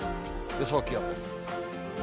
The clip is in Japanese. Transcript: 予想気温です。